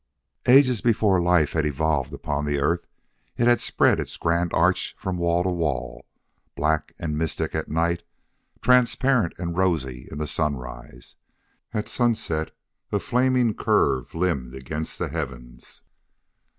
Ages before life had evolved upon the earth it had spread its grand arch from wall to wall, black and mystic at night, transparent and rosy in the sunrise, at sunset a flaming curve limned against the heavens.